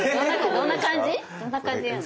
どんな感じでやるの？